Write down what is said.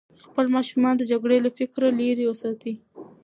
خپل ماشومان د جګړې له فکره لرې وساتئ.